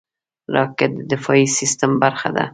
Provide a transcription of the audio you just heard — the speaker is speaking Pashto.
راکټ د دفاعي سیستم برخه ده